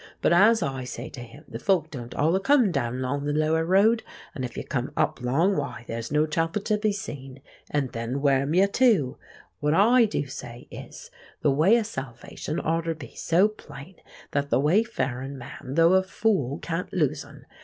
But as I say to him, the folk don't all a come down 'long the lower road; an' if you come up 'long, why, there's no chapel to be seen, and then where'm you to? What I do say is, the way o' salvation oughter be so plain that th' wayfarin' man, though a fool, can't lose un.